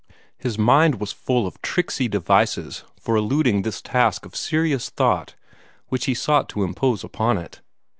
His mind was full of tricksy devices for eluding this task of serious thought which he sought to impose upon it.